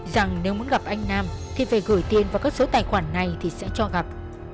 rằng nếu muốn gặp anh nam thì phải gửi tiền vào các số tài khoản này thì sẽ cho gặp